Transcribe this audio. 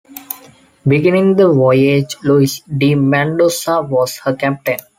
Beginning the voyage, Luis De Mendoza was her captain.